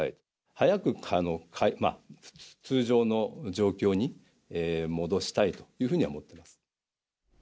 早く通常の状況に戻したいというふうには思ってます。